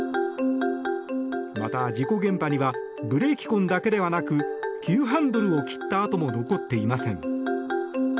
また、事故現場にはブレーキ痕だけではなく急ハンドルを切った跡も残っていません。